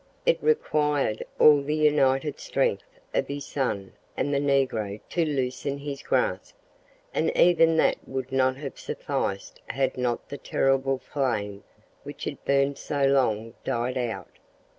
It required all the united strength of his son and the negro to loosen his grasp, and even that would not have sufficed had not the terrible flame which had burned so long died out.